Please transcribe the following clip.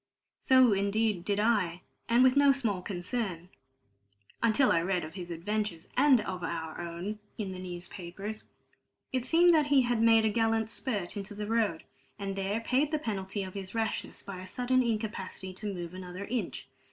So, indeed, did I, and with no small concern, until I read of his adventures (and our own) in the newspapers. It seemed that he had made a gallant spurt into the road, and there paid the penalty of his rashness by a sudden incapacity to move another inch.